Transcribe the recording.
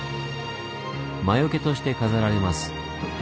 魔よけとして飾られます。